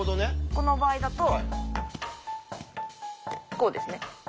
この場合だとこうですね。